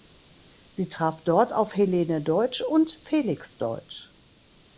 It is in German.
Sie traf dort auf Helene Deutsch und Felix Deutsch.